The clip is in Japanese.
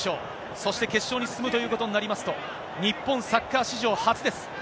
そして決勝に進むということになりますと、日本サッカー史上初です。